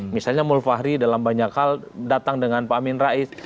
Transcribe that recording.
misalnya mulfahri dalam banyak hal datang dengan pak amin rais